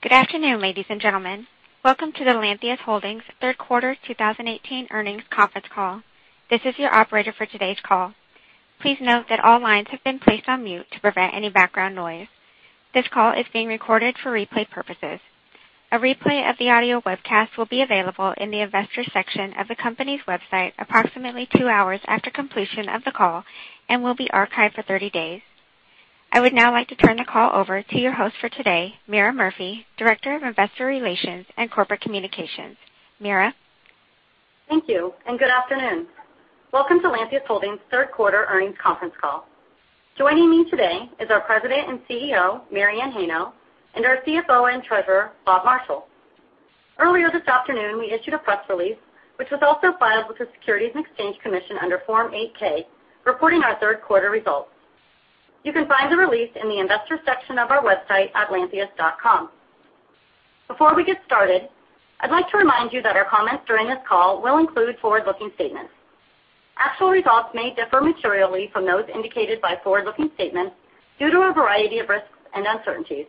Good afternoon, ladies and gentlemen. Welcome to the Lantheus Holdings third quarter 2018 earnings conference call. This is your operator for today's call. Please note that all lines have been placed on mute to prevent any background noise. This call is being recorded for replay purposes. A replay of the audio webcast will be available in the Investors section of the company's website approximately two hours after completion of the call and will be archived for 30 days. I would now like to turn the call over to your host for today, Meara Murphy, Director of Investor Relations and Corporate Communications. Meara? Thank you. Good afternoon. Welcome to Lantheus Holdings' third quarter earnings conference call. Joining me today is our President and CEO, Mary Anne Heino, and our CFO and Treasurer, Robert Marshall. Earlier this afternoon, we issued a press release, which was also filed with the Securities and Exchange Commission under Form 8-K, reporting our third quarter results. You can find the release in the Investors section of our website at lantheus.com. Before we get started, I'd like to remind you that our comments during this call will include forward-looking statements. Actual results may differ materially from those indicated by forward-looking statements due to a variety of risks and uncertainties.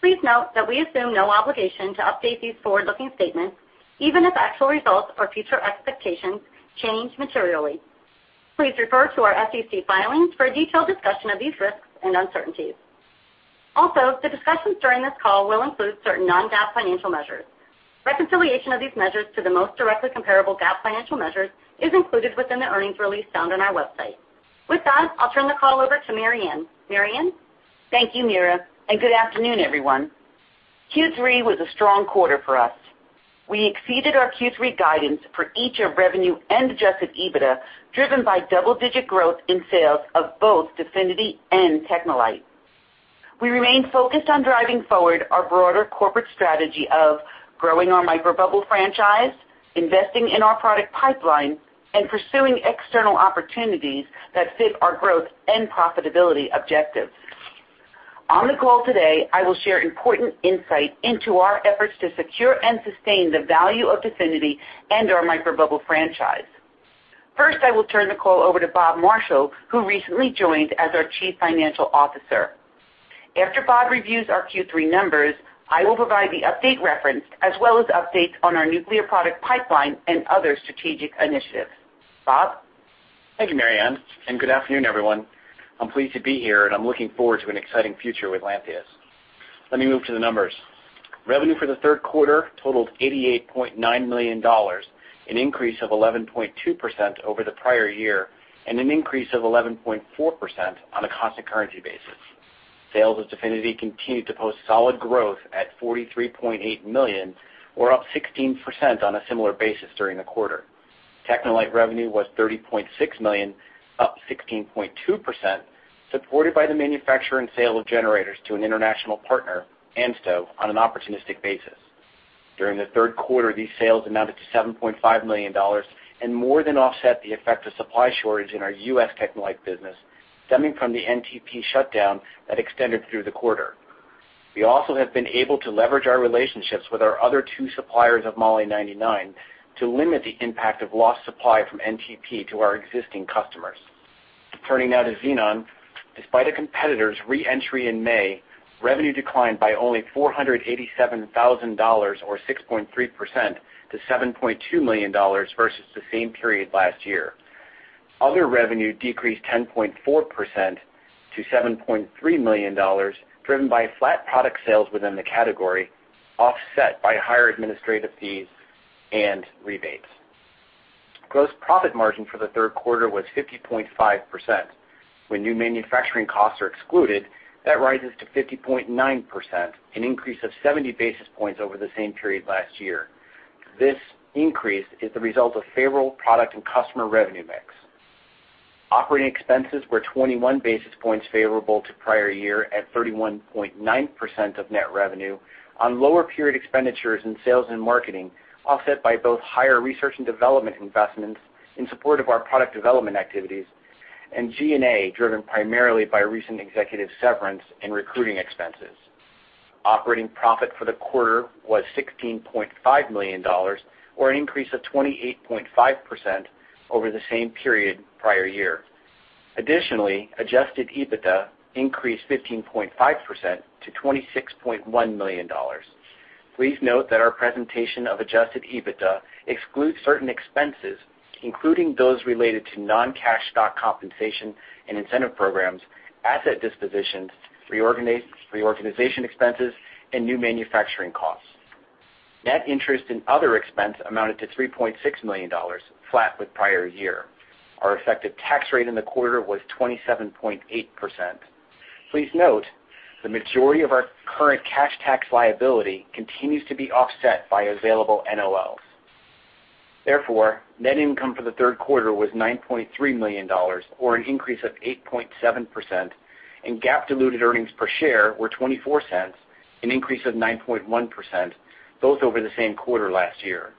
Please note that we assume no obligation to update these forward-looking statements, even if actual results or future expectations change materially. Please refer to our SEC filings for a detailed discussion of these risks and uncertainties. Also, the discussions during this call will include certain non-GAAP financial measures. Reconciliation of these measures to the most directly comparable GAAP financial measures is included within the earnings release found on our website. With that, I'll turn the call over to Mary Anne. Mary Anne? Thank you, Meara. Good afternoon, everyone. Q3 was a strong quarter for us. We exceeded our Q3 guidance for each of revenue and adjusted EBITDA, driven by double-digit growth in sales of both Definity and TechneLite. We remain focused on driving forward our broader corporate strategy of growing our microbubble franchise, investing in our product pipeline, and pursuing external opportunities that fit our growth and profitability objectives. On the call today, I will share important insight into our efforts to secure and sustain the value of Definity and our microbubble franchise. First, I will turn the call over to Robert Marshall, who recently joined as our Chief Financial Officer. After Bob reviews our Q3 numbers, I will provide the update referenced, as well as updates on our nuclear product pipeline and other strategic initiatives. Bob? Thank you, Mary Anne, and good afternoon, everyone. I'm pleased to be here, and I'm looking forward to an exciting future with Lantheus. Let me move to the numbers. Revenue for the third quarter totaled $88.9 million, an increase of 11.2% over the prior year and an increase of 11.4% on a constant currency basis. Sales of DEFINITY continued to post solid growth at $43.8 million or up 16% on a similar basis during the quarter. TechneLite revenue was $30.6 million, up 16.2%, supported by the manufacture and sale of generators to an international partner, ANSTO, on an opportunistic basis. During the third quarter, these sales amounted to $7.5 million and more than offset the effect of supply shortage in our U.S. TechneLite business, stemming from the NTP shutdown that extended through the quarter. We also have been able to leverage our relationships with our other two suppliers of Moly-99 to limit the impact of lost supply from NTP to our existing customers. Turning now to Xenon, despite a competitor's re-entry in May, revenue declined by only $487,000, or 6.3%, to $7.2 million versus the same period last year. Other revenue decreased 10.4% to $7.3 million, driven by flat product sales within the category, offset by higher administrative fees and rebates. Gross profit margin for the third quarter was 50.5%. When new manufacturing costs are excluded, that rises to 50.9%, an increase of 70 basis points over the same period last year. This increase is the result of favorable product and customer revenue mix. Operating expenses were 21 basis points favorable to prior year at 31.9% of net revenue on lower period expenditures in sales and marketing, offset by both higher research and development investments in support of our product development activities and G&A, driven primarily by recent executive severance and recruiting expenses. Operating profit for the quarter was $16.5 million, or an increase of 28.5% over the same period prior year. Additionally, adjusted EBITDA increased 15.5% to $26.1 million. Please note that our presentation of adjusted EBITDA excludes certain expenses, including those related to non-cash stock compensation and incentive programs, asset dispositions, reorganization expenses, and new manufacturing costs. Net interest and other expense amounted to $3.6 million, flat with prior year. Our effective tax rate in the quarter was 27.8%. Please note, the majority of our current cash tax liability continues to be offset by available NOLs. Therefore, net income for the third quarter was $9.3 million, or an increase of 8.7%, and GAAP diluted earnings per share were $0.24, an increase of 9.1%, both over the same quarter last year.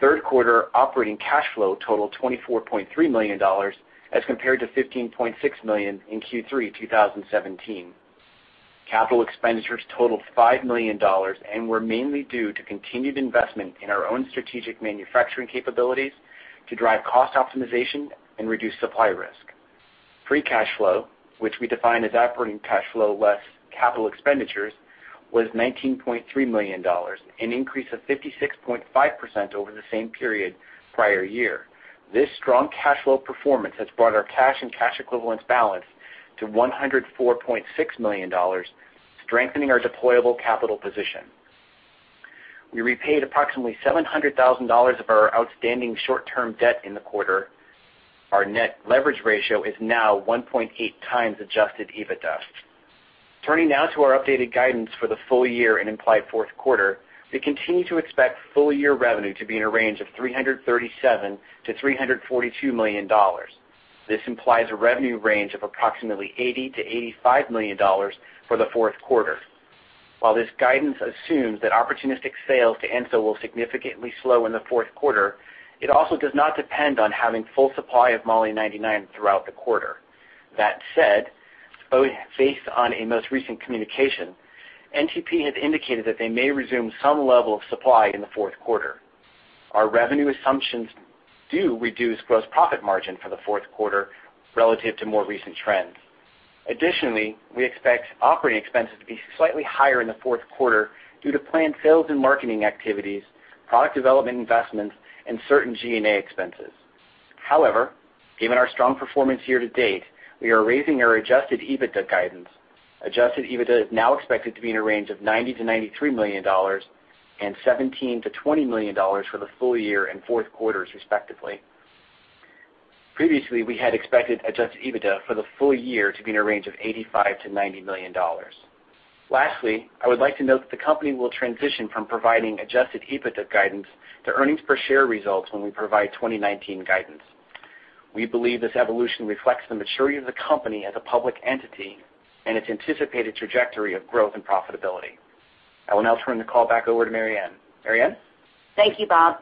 Third quarter operating cash flow totaled $24.3 million as compared to $15.6 million in Q3 2017. Capital expenditures totaled $5 million and were mainly due to continued investment in our own strategic manufacturing capabilities to drive cost optimization and reduce supply risk. Free cash flow, which we define as operating cash flow less capital expenditures, was $19.3 million, an increase of 56.5% over the same period prior year. This strong cash flow performance has brought our cash and cash equivalents balance to $104.6 million, strengthening our deployable capital position. We repaid approximately $700,000 of our outstanding short-term debt in the quarter. Our net leverage ratio is now 1.8 times adjusted EBITDA. Turning now to our updated guidance for the full year and implied fourth quarter, we continue to expect full-year revenue to be in a range of $337 million-$342 million. This implies a revenue range of approximately $80 million-$85 million for the fourth quarter. While this guidance assumes that opportunistic sales to ANSTO will significantly slow in the fourth quarter, it also does not depend on having full supply of Moly-99 throughout the quarter. That said, based on a most recent communication, NTP has indicated that they may resume some level of supply in the fourth quarter. Our revenue assumptions do reduce gross profit margin for the fourth quarter relative to more recent trends. Additionally, we expect operating expenses to be slightly higher in the fourth quarter due to planned sales and marketing activities, product development investments, and certain G&A expenses. However, given our strong performance year-to-date, we are raising our adjusted EBITDA guidance. Adjusted EBITDA is now expected to be in a range of $90 million-$93 million and $17 million-$20 million for the full year and fourth quarters respectively. Previously, we had expected adjusted EBITDA for the full year to be in a range of $85 million-$90 million. Lastly, I would like to note that the company will transition from providing adjusted EBITDA guidance to earnings per share results when we provide 2019 guidance. We believe this evolution reflects the maturity of the company as a public entity and its anticipated trajectory of growth and profitability. I will now turn the call back over to Mary Anne. Mary Anne? Thank you, Bob.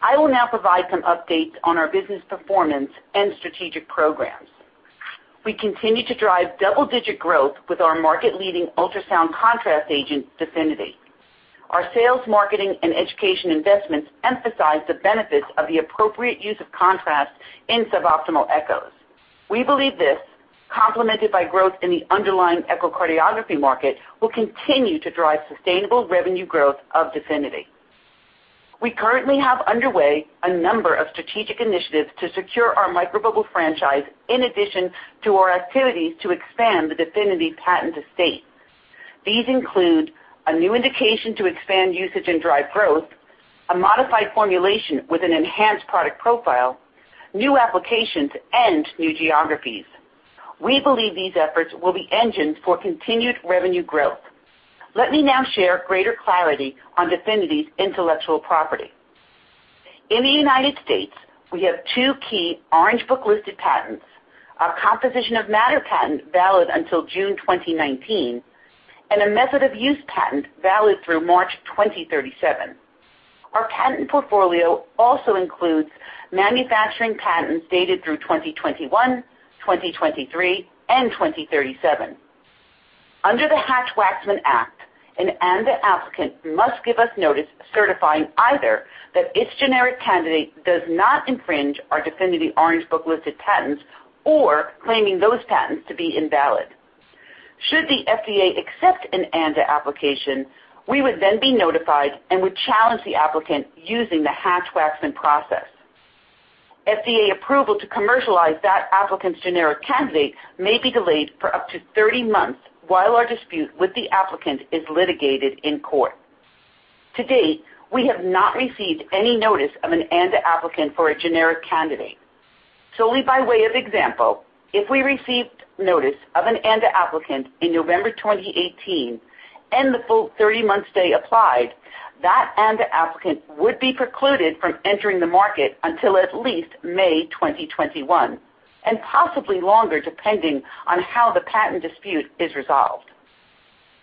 I will now provide some updates on our business performance and strategic programs. We continue to drive double-digit growth with our market-leading ultrasound contrast agent, DEFINITY. Our sales, marketing, and education investments emphasize the benefits of the appropriate use of contrast in suboptimal echocardiograms. We believe this, complemented by growth in the underlying echocardiography market, will continue to drive sustainable revenue growth of DEFINITY. We currently have underway a number of strategic initiatives to secure our microbubble franchise, in addition to our activities to expand the DEFINITY patent estate. These include a new indication to expand usage and drive growth, a modified formulation with an enhanced product profile, new applications, and new geographies. We believe these efforts will be engines for continued revenue growth. Let me now share greater clarity on DEFINITY's intellectual property. In the United States, we have two key Orange Book-listed patents, our composition of matter patent valid until June 2019, and a method of use patent valid through March 2037. Our patent portfolio also includes manufacturing patents dated through 2021, 2023, and 2037. Under the Hatch-Waxman Act, an ANDA applicant must give us notice certifying either that its generic candidate does not infringe our DEFINITY Orange Book-listed patents or claiming those patents to be invalid. Should the FDA accept an ANDA application, we would then be notified and would challenge the applicant using the Hatch-Waxman process. FDA approval to commercialize that applicant's generic candidate may be delayed for up to 30 months while our dispute with the applicant is litigated in court. To date, we have not received any notice of an ANDA applicant for a generic candidate. Solely by way of example, if we received notice of an ANDA applicant in November 2018 and the full 30-month stay applied, that ANDA applicant would be precluded from entering the market until at least May 2021, and possibly longer, depending on how the patent dispute is resolved.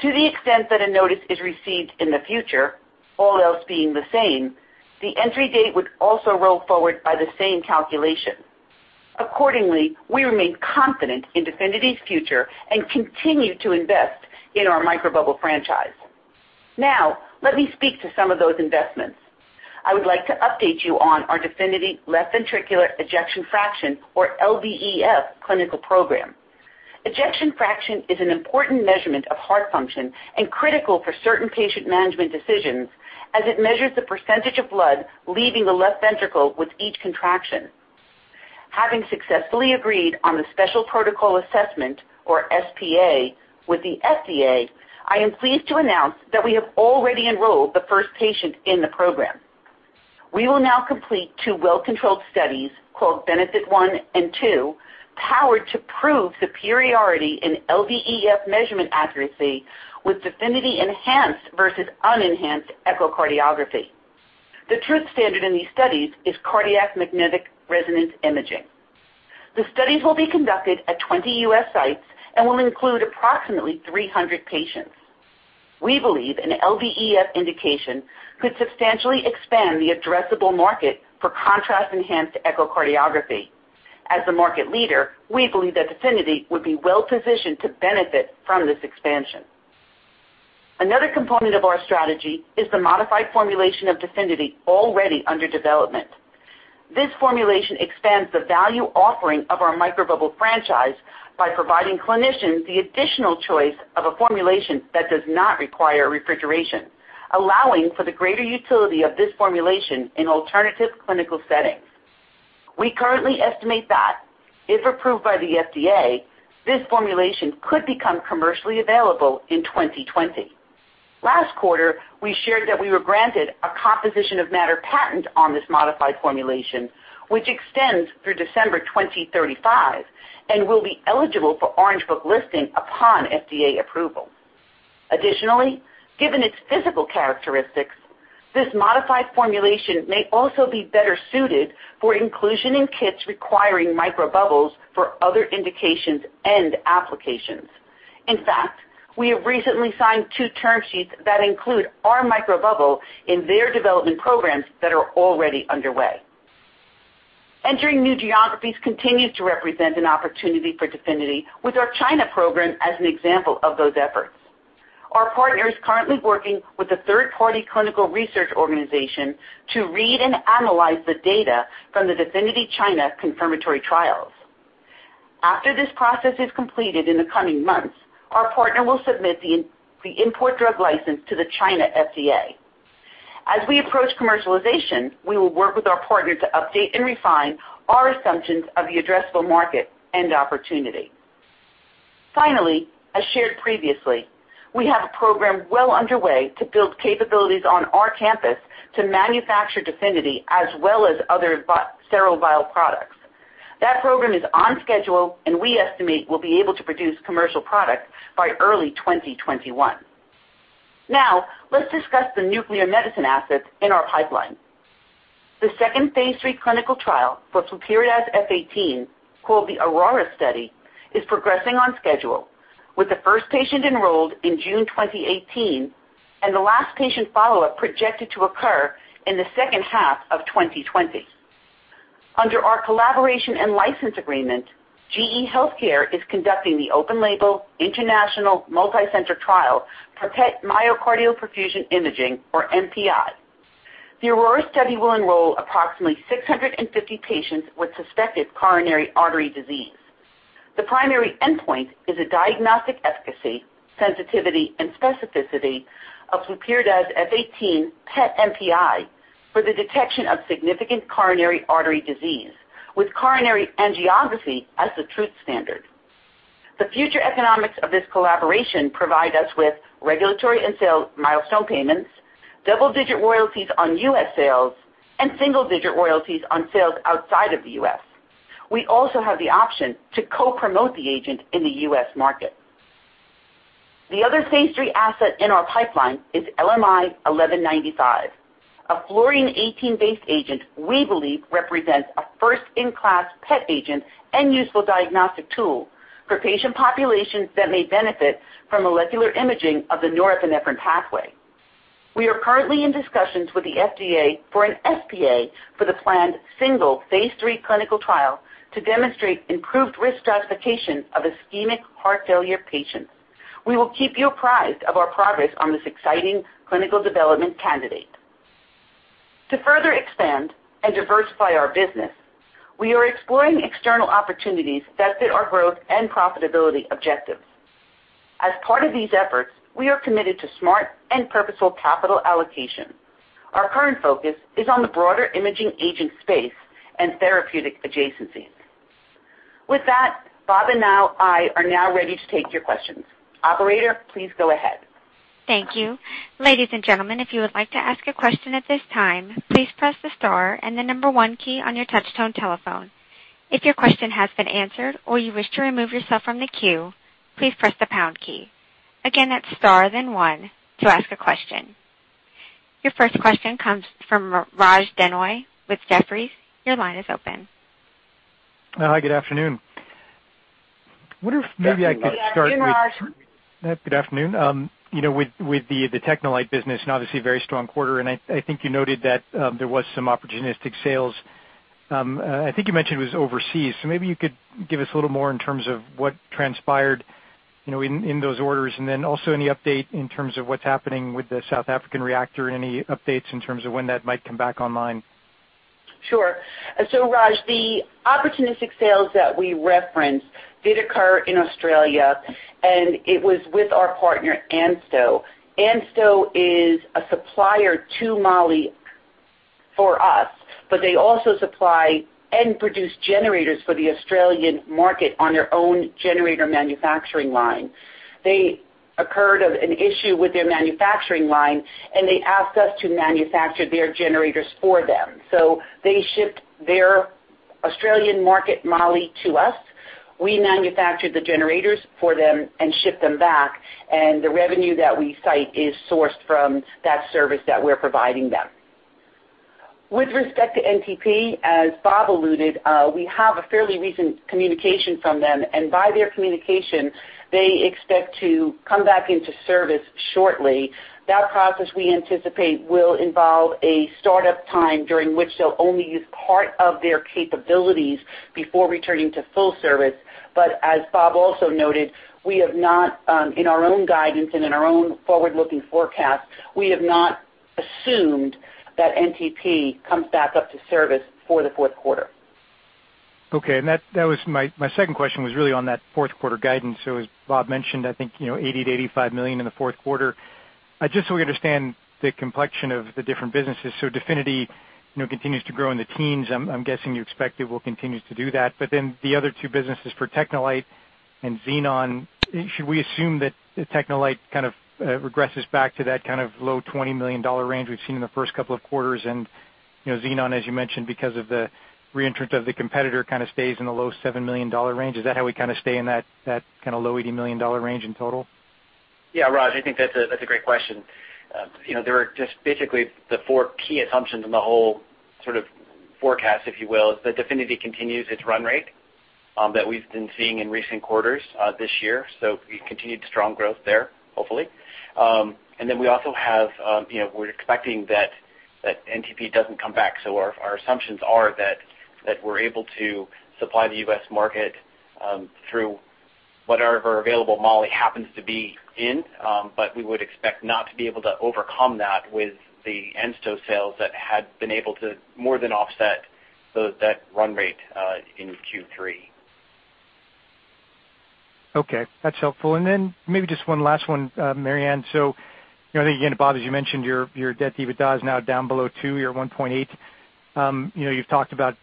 To the extent that a notice is received in the future, all else being the same, the entry date would also roll forward by the same calculation. Accordingly, we remain confident in DEFINITY's future and continue to invest in our microbubble franchise. Now, let me speak to some of those investments. I would like to update you on our DEFINITY left ventricular ejection fraction, or LVEF, clinical program. Ejection fraction is an important measurement of heart function and critical for certain patient management decisions as it measures the % of blood leaving the left ventricle with each contraction. Having successfully agreed on the Special Protocol Assessment, or SPA, with the FDA, I am pleased to announce that we have already enrolled the first patient in the program. We will now complete two well-controlled studies, called Benefit one and two, powered to prove superiority in LVEF measurement accuracy with DEFINITY enhanced versus unenhanced echocardiography. The truth standard in these studies is cardiac magnetic resonance imaging. The studies will be conducted at 20 U.S. sites and will include approximately 300 patients. We believe an LVEF indication could substantially expand the addressable market for contrast-enhanced echocardiography. As the market leader, we believe that DEFINITY would be well-positioned to benefit from this expansion. Another component of our strategy is the modified formulation of DEFINITY already under development. This formulation expands the value offering of our microbubble franchise by providing clinicians the additional choice of a formulation that does not require refrigeration, allowing for the greater utility of this formulation in alternative clinical settings. We currently estimate that if approved by the FDA, this formulation could become commercially available in 2020. Last quarter, we shared that we were granted a composition of matter patent on this modified formulation, which extends through December 2035 and will be eligible for Orange Book listing upon FDA approval. Additionally, given its physical characteristics, this modified formulation may also be better suited for inclusion in kits requiring microbubbles for other indications and applications. In fact, we have recently signed two term sheets that include our microbubble in their development programs that are already underway. Entering new geographies continues to represent an opportunity for DEFINITY, with our China program as an example of those efforts. Our partner is currently working with a third-party clinical research organization to read and analyze the data from the DEFINITY China confirmatory trials. After this process is completed in the coming months, our partner will submit the import drug license to the China FDA. As we approach commercialization, we will work with our partner to update and refine our assumptions of the addressable market and opportunity. Finally, as shared previously, we have a program well underway to build capabilities on our campus to manufacture DEFINITY as well as other sterile vial products. That program is on schedule, and we estimate we'll be able to produce commercial product by early 2021. Let's discuss the nuclear medicine assets in our pipeline. The second phase III clinical trial for flurpiridaz F-18, called the AURORA study, is progressing on schedule with the first patient enrolled in June 2018 and the last patient follow-up projected to occur in the second half of 2020. Under our collaboration and license agreement, GE HealthCare is conducting the open-label, international, multi-center trial for PET myocardial perfusion imaging, or MPI. The AURORA study will enroll approximately 650 patients with suspected coronary artery disease. The primary endpoint is a diagnostic efficacy, sensitivity, and specificity of flurpiridaz F-18 PET MPI for the detection of significant coronary artery disease, with coronary angiography as the truth standard. The future economics of this collaboration provide us with regulatory and sales milestone payments, double-digit royalties on U.S. sales, and single-digit royalties on sales outside of the U.S. We also have the option to co-promote the agent in the U.S. market. The other phase III asset in our pipeline is LMI1195, a fluorine-18-based agent we believe represents a first-in-class PET agent and useful diagnostic tool for patient populations that may benefit from molecular imaging of the norepinephrine pathway. We are currently in discussions with the FDA for an SPA for the planned single phase III clinical trial to demonstrate improved risk stratification of ischemic heart failure patients. We will keep you apprised of our progress on this exciting clinical development candidate. To further expand and diversify our business, we are exploring external opportunities that fit our growth and profitability objectives. As part of these efforts, we are committed to smart and purposeful capital allocation. Our current focus is on the broader imaging agent space and therapeutic adjacencies. With that, Bob and I are now ready to take your questions. Operator, please go ahead. Thank you. Ladies and gentlemen, if you would like to ask a question at this time, please press the star and the number one key on your touchtone telephone. If your question has been answered or you wish to remove yourself from the queue, please press the pound key. Again, that's star then one to ask a question. Your first question comes from Raj Denhoy with Jefferies. Your line is open. Hi, good afternoon. Wonder if maybe I could start with- Good afternoon, Raj. Good afternoon. With the TechneLite business, obviously a very strong quarter, I think you noted that there was some opportunistic sales. I think you mentioned it was overseas. Maybe you could give us a little more in terms of what transpired in those orders, then also any update in terms of what's happening with the South African reactor. Any updates in terms of when that might come back online? Sure. Raj, the opportunistic sales that we referenced did occur in Australia, it was with our partner, ANSTO. ANSTO is a supplier to Moly for us, but they also supply and produce generators for the Australian market on their own generator manufacturing line. They incurred an issue with their manufacturing line, they asked us to manufacture their generators for them. They shipped their Australian market Moly to us. We manufactured the generators for them and shipped them back, the revenue that we cite is sourced from that service that we're providing them. With respect to NTP, as Bob alluded, we have a fairly recent communication from them, by their communication, they expect to come back into service shortly. That process, we anticipate, will involve a startup time during which they'll only use part of their capabilities before returning to full service. As Bob also noted, in our own guidance and in our own forward-looking forecast, we have not assumed that NTP comes back up to service for the fourth quarter. My second question was really on that fourth quarter guidance. As Bob mentioned, I think, $80 million to $85 million in the fourth quarter. Just so we understand the complexion of the different businesses. DEFINITY continues to grow in the teens. I'm guessing you expect it will continue to do that. The other two businesses for TechneLite and Xenon, should we assume that TechneLite kind of regresses back to that kind of low $20 million range we've seen in the first couple of quarters in Xenon, as you mentioned, because of the re-entrance of the competitor kind of stays in the low $7 million range. Is that how we kind of stay in that kind of low $80 million range in total? Raj, I think that's a great question. There are just basically the four key assumptions in the whole sort of forecast, if you will, is that DEFINITY continues its run rate that we've been seeing in recent quarters this year. We continued strong growth there, hopefully. We also have, we're expecting that NTP doesn't come back. Our assumptions are that we're able to supply the U.S. market through whatever available Moly happens to be in. We would expect not to be able to overcome that with the ANSTO sales that had been able to more than offset that run rate in Q3. Okay, that's helpful. Maybe just one last one, Mary Anne. I think again, Bob, as you mentioned, your debt to EBITDA is now down below two. You're at 1.8. You've talked about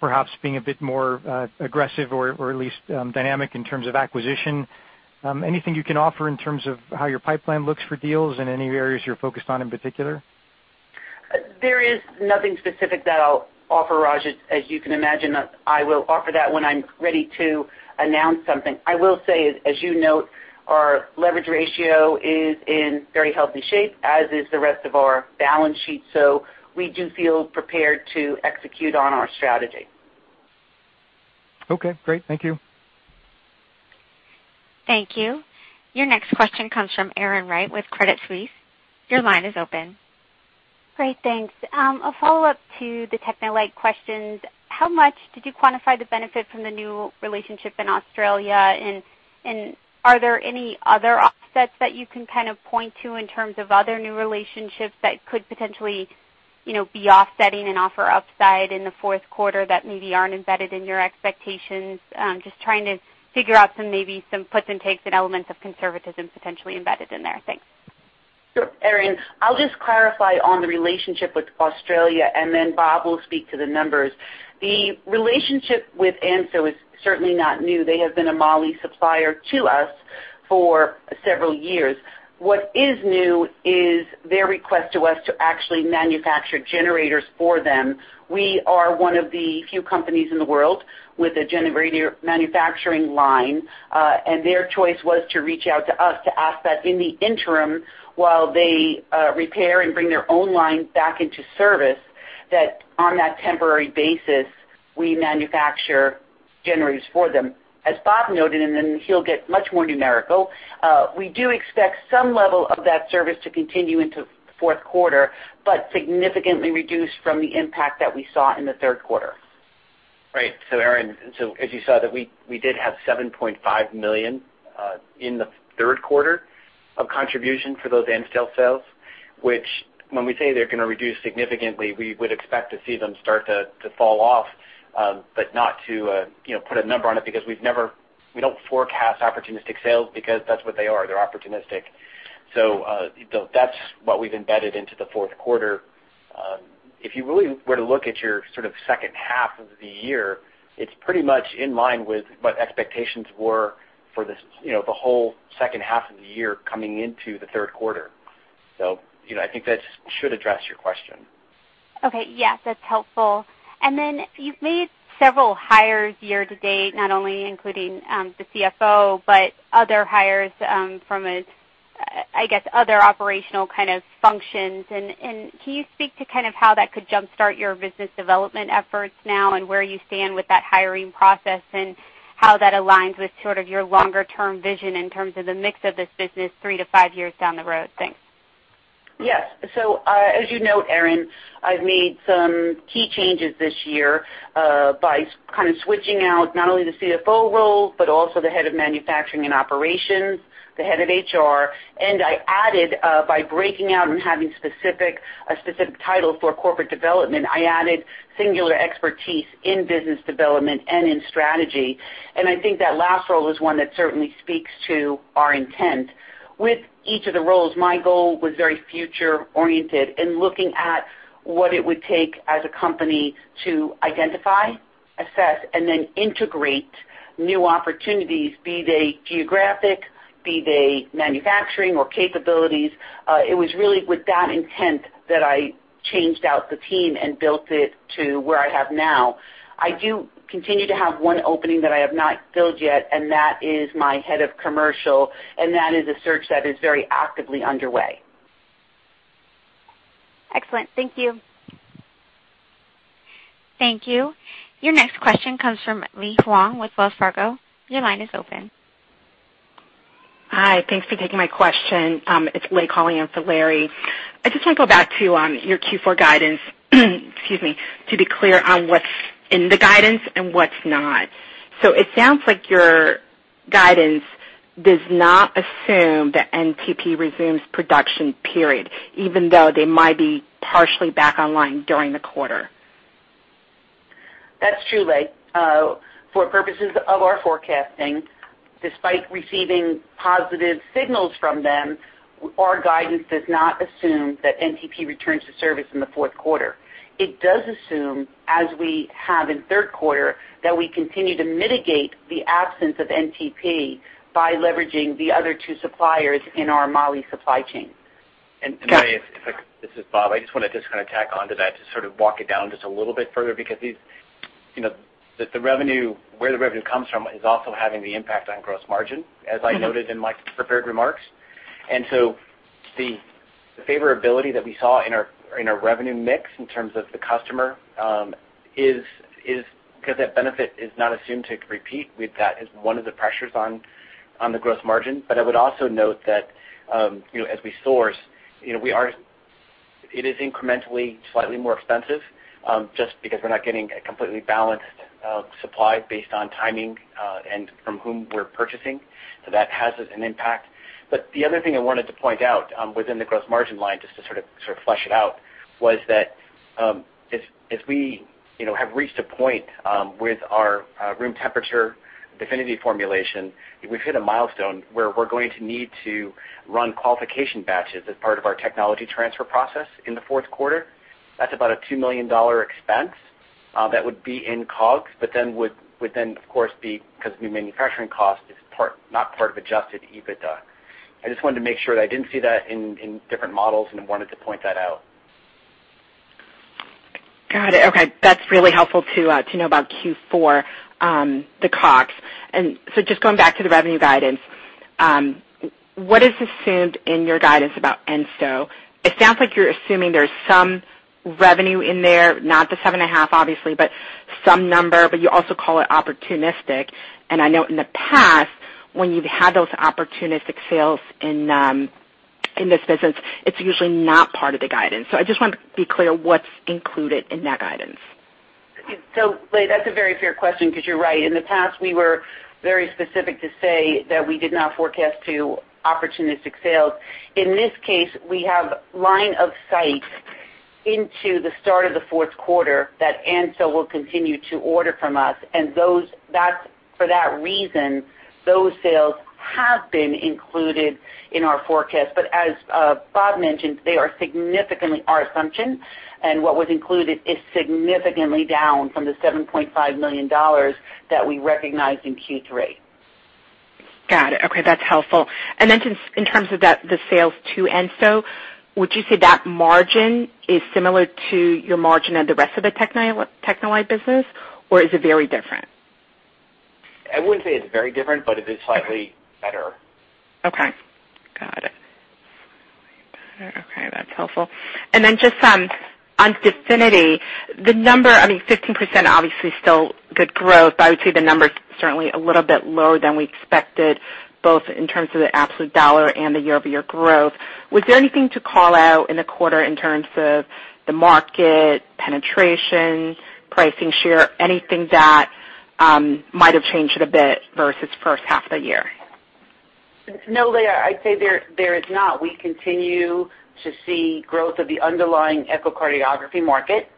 perhaps being a bit more aggressive or at least dynamic in terms of acquisition. Anything you can offer in terms of how your pipeline looks for deals and any areas you're focused on in particular? There is nothing specific that I'll offer, Raj. As you can imagine, I will offer that when I'm ready to announce something. I will say, as you note, our leverage ratio is in very healthy shape, as is the rest of our balance sheet. We do feel prepared to execute on our strategy. Okay, great. Thank you. Thank you. Your next question comes from Erin Wright with Credit Suisse. Your line is open. Great. Thanks. A follow-up to the TechneLite questions. How much did you quantify the benefit from the new relationship in Australia? Are there any other offsets that you can kind of point to in terms of other new relationships that could potentially be offsetting and offer upside in the fourth quarter that maybe aren't embedded in your expectations? Just trying to figure out some puts and takes and elements of conservatism potentially embedded in there. Thanks. Sure. Erin, I'll just clarify on the relationship with Australia, then Bob will speak to the numbers. The relationship with ANSTO is certainly not new. They have been a molybdenum-99 supplier to us for several years. What is new is their request to us to actually manufacture generators for them. We are one of the few companies in the world with a generator manufacturing line, their choice was to reach out to us to ask that in the interim while they repair and bring their own line back into service, that on that temporary basis, we manufacture generators for them. As Bob noted, then he'll get much more numerical, we do expect some level of that service to continue into the fourth quarter, but significantly reduced from the impact that we saw in the third quarter. Erin, as you saw that we did have $7.5 million in the third quarter of contribution for those ANSTO sales, which when we say they're going to reduce significantly, we would expect to see them start to fall off. Not to put a number on it, because we don't forecast opportunistic sales because that's what they are. They're opportunistic. That's what we've embedded into the fourth quarter. If you really were to look at your sort of second half of the year, it's pretty much in line with what expectations were for the whole second half of the year coming into the third quarter. I think that should address your question. Okay. Yeah, that's helpful. Then you've made several hires year to date, not only including the CFO, but other hires from, I guess, other operational kind of functions. Can you speak to kind of how that could jumpstart your business development efforts now and where you stand with that hiring process and how that aligns with sort of your longer-term vision in terms of the mix of this business three to five years down the road? Thanks. Yes. As you note, Erin, I've made some key changes this year by kind of switching out not only the CFO role but also the head of manufacturing and operations, the head of HR. I added by breaking out and having a specific title for corporate development. I added singular expertise in business development and in strategy. I think that last role is one that certainly speaks to our intent. With each of the roles, my goal was very future-oriented in looking at what it would take as a company to identify, assess, and then integrate new opportunities, be they geographic, be they manufacturing or capabilities. It was really with that intent that I changed out the team and built it to where I have now. I do continue to have one opening that I have not filled yet, that is my head of commercial, that is a search that is very actively underway. Excellent. Thank you. Thank you. Your next question comes from Lei Huang with Wells Fargo. Your line is open. Hi. Thanks for taking my question. It's Lei calling in for Larry. I just want to go back to your Q4 guidance, excuse me, to be clear on what's in the guidance and what's not. It sounds like your guidance does not assume that NTP resumes production, even though they might be partially back online during the quarter? That's true, Lei. For purposes of our forecasting, despite receiving positive signals from them, our guidance does not assume that NTP returns to service in the fourth quarter. It does assume, as we have in third quarter, that we continue to mitigate the absence of NTP by leveraging the other two suppliers in our Moly supply chain. Got it. Lei, this is Bob. I just want to just tack onto that to sort of walk it down just a little bit further because where the revenue comes from is also having the impact on gross margin, as I noted in my prepared remarks. The favorability that we saw in our revenue mix in terms of the customer is because that benefit is not assumed to repeat with that as one of the pressures on the gross margin. I would also note that, as we source, it is incrementally slightly more expensive, just because we're not getting a completely balanced supply based on timing, and from whom we're purchasing. That has an impact. The other thing I wanted to point out within the gross margin line, just to sort of flesh it out, was that if we have reached a point with our room temperature DEFINITY formulation, we've hit a milestone where we're going to need to run qualification batches as part of our technology transfer process in the fourth quarter. That's about a $2 million expense that would be in COGS, but would then, of course, be because the manufacturing cost is not part of adjusted EBITDA. I just wanted to make sure that I didn't see that in different models, and I wanted to point that out. Got it. Okay. That's really helpful to know about Q4, the COGS. Just going back to the revenue guidance, what is assumed in your guidance about ANSTO? It sounds like you're assuming there's some revenue in there, not the 7.5, obviously, but some number, but you also call it opportunistic. I know in the past, when you've had those opportunistic sales in this business, it's usually not part of the guidance. I just wanted to be clear what's included in that guidance. Lei, that's a very fair question because you're right. In the past, we were very specific to say that we did not forecast to opportunistic sales. In this case, we have line of sight into the start of the fourth quarter that ANSTO will continue to order from us and for that reason, those sales have been included in our forecast. As Bob mentioned, they are significantly our assumption, and what was included is significantly down from the $7.5 million that we recognized in Q3. Got it. Okay. That's helpful. Just in terms of the sales to ANSTO, would you say that margin is similar to your margin on the rest of the TechneLite business, or is it very different? I wouldn't say it's very different, it is slightly better. Okay. Got it. Okay, that's helpful. Just on DEFINITY, the number, I mean, 15% obviously still good growth, but I would say the number is certainly a little bit lower than we expected, both in terms of the absolute dollar and the year-over-year growth. Was there anything to call out in the quarter in terms of the market penetration, pricing share, anything that might have changed it a bit versus the first half of the year? No, Lei. I'd say there is not. We continue to see growth of the underlying echocardiography market.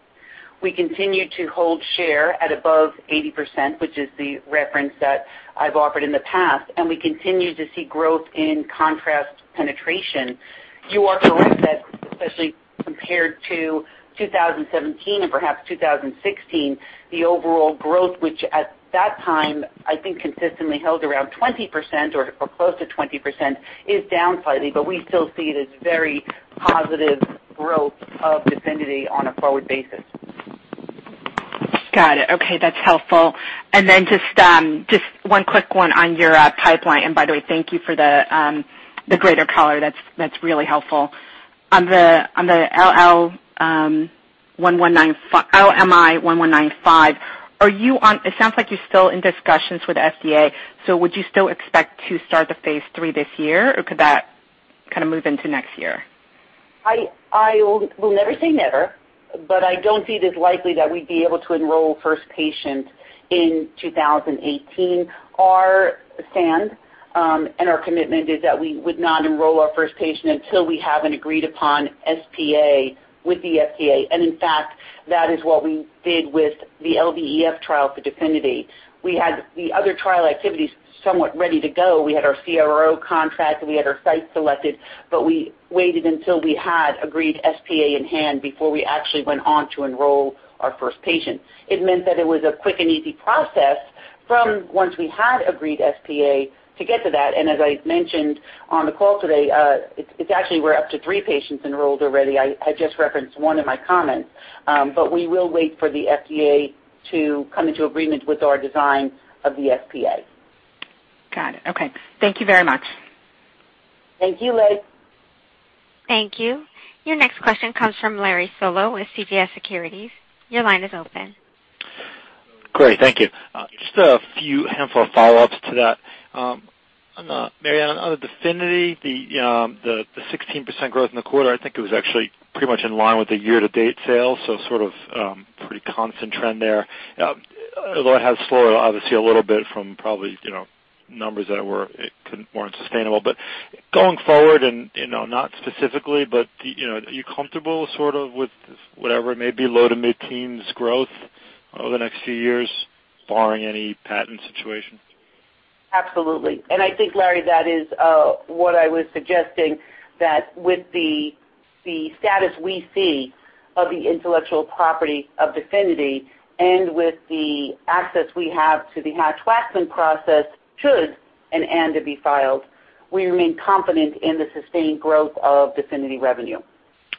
We continue to hold share at above 80%, which is the reference that I've offered in the past, and we continue to see growth in contrast penetration. You are correct that especially compared to 2017 and perhaps 2016, the overall growth, which at that time I think consistently held around 20% or close to 20%, is down slightly, but we still see it as very positive growth of DEFINITY on a forward basis. Got it. Okay, that's helpful. Then just one quick one on your pipeline. By the way, thank you for the greater color. That's really helpful. On the LMI1195, it sounds like you're still in discussions with FDA, would you still expect to start the phase III this year, or could that move into next year? I will never say never, but I don't see it as likely that we'd be able to enroll first patient in 2018. Our stand and our commitment is that we would not enroll our first patient until we have an agreed-upon SPA with the FDA. In fact, that is what we did with the LVEF trial for DEFINITY. We had the other trial activities somewhat ready to go. We had our CRO contract, we had our site selected, but we waited until we had agreed SPA in hand before we actually went on to enroll our first patient. It meant that it was a quick and easy process from once we had agreed SPA to get to that, and as I mentioned on the call today, it's actually we're up to three patients enrolled already. I just referenced one in my comments. We will wait for the FDA to come into agreement with our design of the SPA. Got it. Okay. Thank you very much. Thank you, Lei. Thank you. Your next question comes from Larry Solow with CJS Securities. Your line is open. Great. Thank you. Just a few handful of follow-ups to that. Mary Anne, on the DEFINITY, the 16% growth in the quarter, I think it was actually pretty much in line with the year-to-date sales, so sort of pretty constant trend there. Although it has slowed, obviously, a little bit from probably numbers that weren't sustainable. Going forward, and not specifically, but are you comfortable sort of with whatever it may be, low to mid teens growth over the next few years, barring any patent situation? Absolutely. I think, Larry, that is what I was suggesting, that with the status we see of the intellectual property of DEFINITY and with the access we have to the Hatch-Waxman process should an ANDA be filed, we remain confident in the sustained growth of DEFINITY revenue.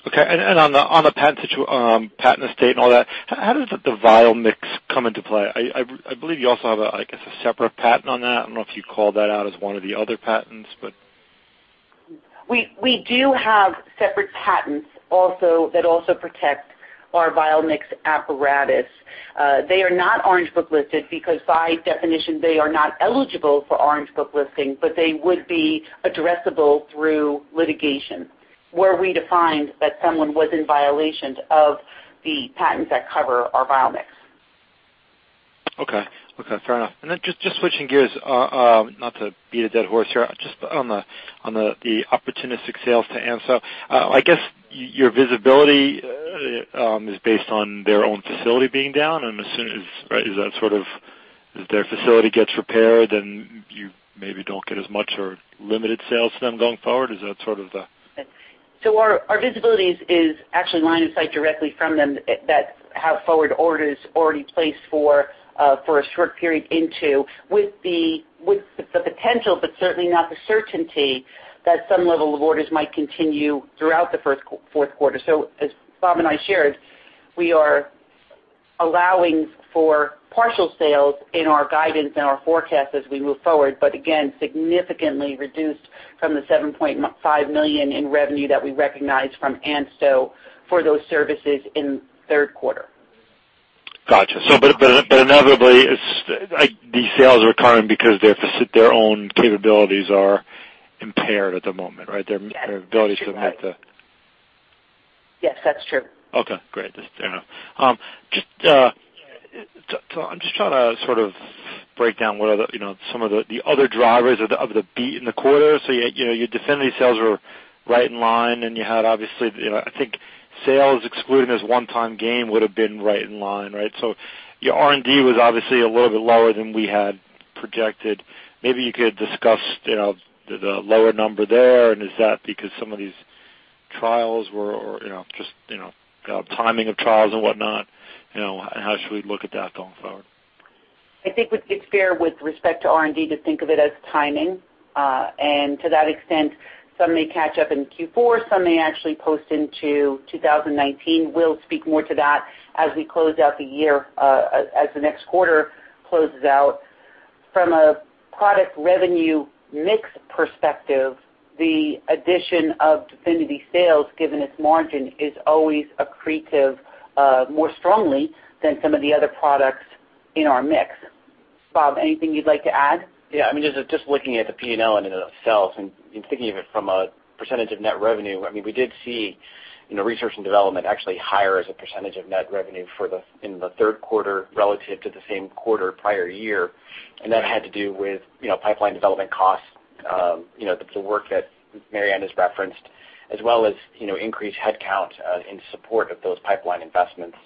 Okay. On the patent estate and all that, how does the vial mix come into play? I believe you also have, I guess, a separate patent on that. I don't know if you called that out as one of the other patents. We do have separate patents that also protect our vial mix apparatus. They are not Orange Book listed because by definition, they are not eligible for Orange Book listing. They would be addressable through litigation where we defined that someone was in violation of the patents that cover our vial mix. Okay. Fair enough. Then just switching gears, not to beat a dead horse here. Just on the opportunistic sales to ANSTO. I guess your visibility is based on their own facility being down and as soon as their facility gets repaired, then you maybe don't get as much or limited sales to them going forward. Our visibility is actually line of sight directly from them that have forward orders already placed for a short period into, with the potential, but certainly not the certainty, that some level of orders might continue throughout the fourth quarter. As Bob and I shared, we are allowing for partial sales in our guidance and our forecast as we move forward, but again, significantly reduced from the $7.5 million in revenue that we recognized from ANSTO for those services in third quarter. Got you. Inevitably, these sales are occurring because their own capabilities are impaired at the moment, right? Yes, that's true. Okay, great. Just fair enough. I'm just trying to sort of break down some of the other drivers of the beat in the quarter. Your DEFINITY sales were right in line, and you had obviously, I think sales excluding this one-time gain would've been right in line, right? Your R&D was obviously a little bit lower than we had projected. Maybe you could discuss the lower number there, and is that because some of these trials were just timing of trials and whatnot? How should we look at that going forward? I think it's fair with respect to R&D to think of it as timing. To that extent, some may catch up in Q4, some may actually post into 2019. We'll speak more to that as we close out the year, as the next quarter closes out. From a product revenue mix perspective, the addition of DEFINITY sales, given its margin, is always accretive more strongly than some of the other products in our mix. Bob, anything you'd like to add? Yeah, just looking at the P&L and in itself, and thinking of it from a percentage of net revenue, we did see research and development actually higher as a percentage of net revenue in the third quarter relative to the same quarter prior year. That had to do with pipeline development costs, the work that Mary Anne has referenced, as well as increased headcount in support of those pipeline investments.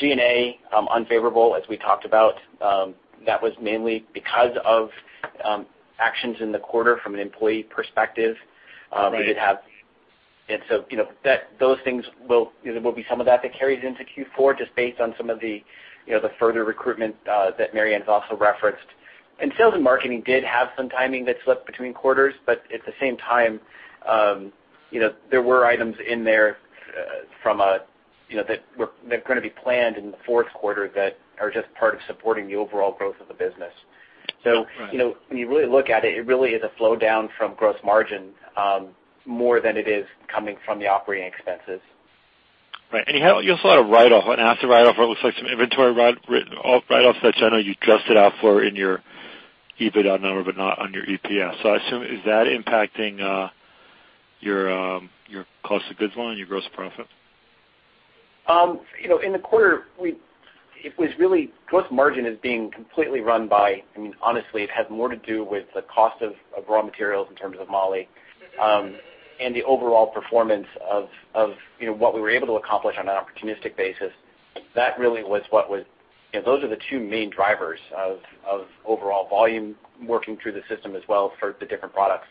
G&A, unfavorable, as we talked about. That was mainly because of actions in the quarter from an employee perspective. Right. Those things will be some of that carries into Q4 just based on some of the further recruitment that Mary Anne's also referenced. Sales and marketing did have some timing that slipped between quarters, but at the same time, there were items in there that were going to be planned in the fourth quarter that are just part of supporting the overall growth of the business. Right. When you really look at it really is a flow down from gross margin more than it is coming from the operating expenses. Right. You also had a write-off, an asset write-off, it looks like some inventory write-offs that I know you adjusted out for in your EBITDA number, but not on your EPS. I assume, is that impacting your cost of goods on your gross profit? In the quarter, gross margin is being completely run by, honestly, it has more to do with the cost of raw materials in terms of molybdenum-99, and the overall performance of what we were able to accomplish on an opportunistic basis. Those are the two main drivers of overall volume working through the system as well for the different products.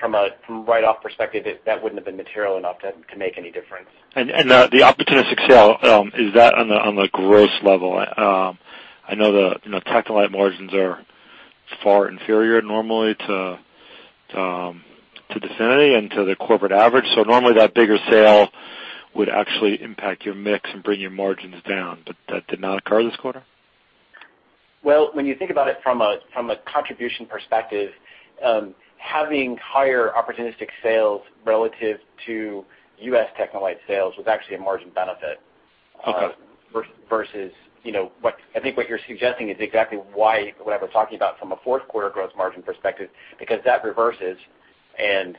From a write-off perspective, that wouldn't have been material enough to make any difference. The opportunistic sale, is that on the gross level? I know the TechneLite margins are far inferior normally to DEFINITY and to the corporate average, normally that bigger sale would actually impact your mix and bring your margins down, that did not occur this quarter? Well, when you think about it from a contribution perspective, having higher opportunistic sales relative to U.S. TechneLite sales was actually a margin benefit- Okay versus, I think what you're suggesting is exactly why what I was talking about from a fourth quarter gross margin perspective, because that reverses and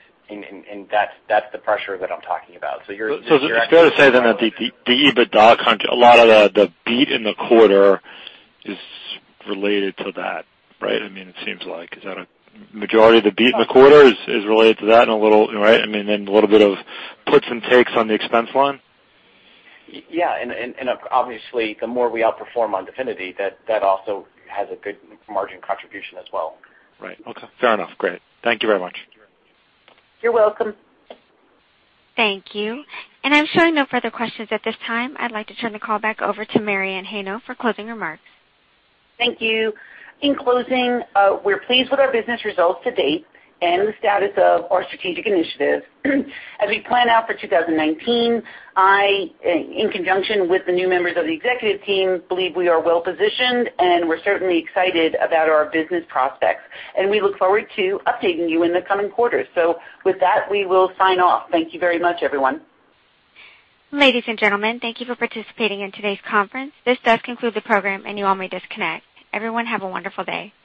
that's the pressure that I'm talking about. You're actually. It's fair to say then that the EBITDA, a lot of the beat in the quarter is related to that, right? It seems like. Is that a majority of the beat in the quarter is related to that and a little, right, then a little bit of puts and takes on the expense line? Yeah. Obviously, the more we outperform on DEFINITY, that also has a good margin contribution as well. Right. Okay. Fair enough. Great. Thank you very much. You're welcome. Thank you. I'm showing no further questions at this time. I'd like to turn the call back over to Mary Anne Heino for closing remarks. Thank you. In closing, we're pleased with our business results to date and the status of our strategic initiatives. As we plan out for 2019, I, in conjunction with the new members of the executive team, believe we are well-positioned, and we're certainly excited about our business prospects, and we look forward to updating you in the coming quarters. With that, we will sign off. Thank you very much, everyone. Ladies and gentlemen, thank you for participating in today's conference. This does conclude the program, and you all may disconnect. Everyone have a wonderful day.